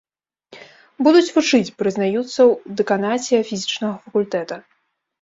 Будуць вучыць, прызнаюцца ў дэканаце фізічнага факультэта.